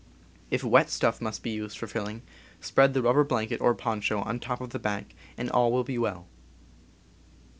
If wet stuff must be used for fill ing, spread the rubber blanket or poncho on top of the bag, and all will be well.